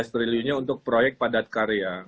lima belas triliunnya untuk proyek padat karya